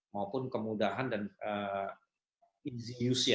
maupun kemudahan dan easy use ya